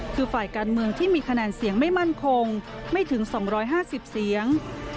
คือฝ่ายการเมืองที่มีคะแนนเสียงไม่มั่นคงไม่ถึง๒๕๐เสียง